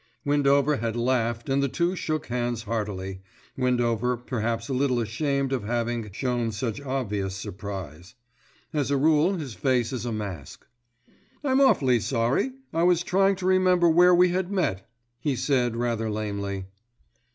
Windover had laughed and the two shook hands heartily, Windover perhaps a little ashamed of having shown such obvious surprise. As a rule his face is a mask. "I'm awfully sorry, I was trying to remember where we had met," he said rather lamely.